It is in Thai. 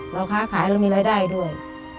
เราค้าขายแล้วมีรายได้ด้วย